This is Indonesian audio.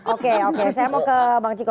oke oke saya mau ke bang ciko